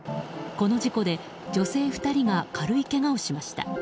この事故で女性２人が軽いけがをしました。